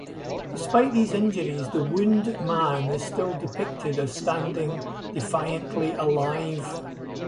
Despite these injuries the wound man is still depicted as standing defiantly alive.